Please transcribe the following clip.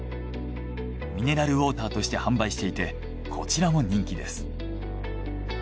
ミネラルウォーターとして販売していてこちらも人気です。